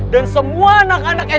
dan semua anak anak sma